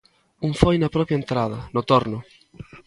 Un foi na propia entrada, no torno.